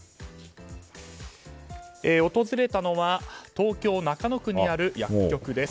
訪れたのは東京・中野区にある薬局です。